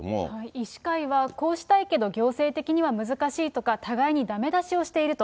医師会はこうしたいけど、行政的には難しいとか、互いにだめ出しをしていると。